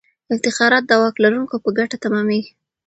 افتخارات د واک لرونکو په ګټه تمامیږي.